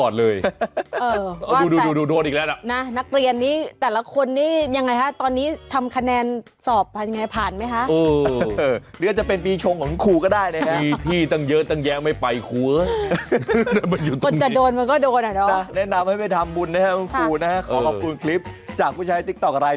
ด้วยนะครับอ่าแต่ว่าช่วงหน้าห้ามพลาดเลยคุณผู้ชมครับ